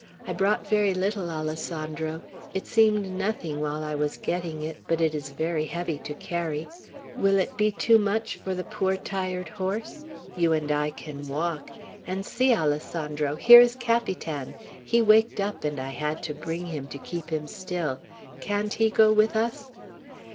I brought very little, Alessandro; it seemed nothing while I was getting it; but it is very heavy to carry. Will it be too much for the poor tired horse? You and I can walk. And see, Alessandro, here is Capitan. He waked up, and I had to bring him, to keep him still. Can't he go with us?"